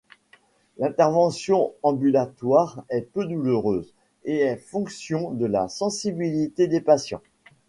L’intervention ambulatoire est peu douloureuse et est fonction de la sensibilité des patients.